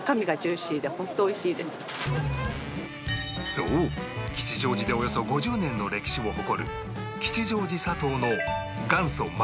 そう吉祥寺でおよそ５０年の歴史を誇る吉祥寺さとうのおおー！